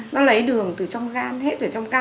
nó lấy đường từ trong gan hết rồi trong can